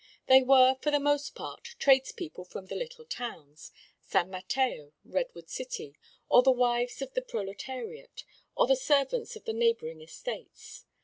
They were, for the most part, trades people from the little towns San Mateo, Redwood City or the wives of the proletariat or the servants of the neighboring estates.